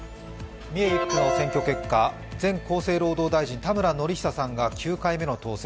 三重１区の選挙結果、前厚生労働大臣、田村憲久さんが９回目の当選。